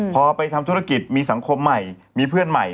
พอไปทำธุรกิจมีสังคมใหม่มีเพื่อนใหม่